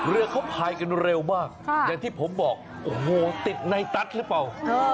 เรือเขาพายกันเร็วมากอย่างที่ผมบอกโอ้โหติดในตัสหรือเปล่า